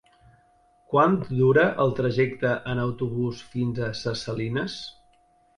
Quant dura el trajecte en autobús fins a Ses Salines?